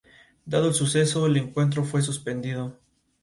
Grup de Folk no tenía una formación fija; variaba según las actuaciones.